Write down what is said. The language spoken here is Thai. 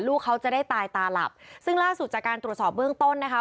ลูกเขาจะได้ตายตาหลับซึ่งล่าสุดจากการตรวจสอบเบื้องต้นนะคะ